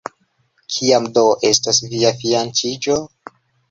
Kiam do estos via fianĉiĝo?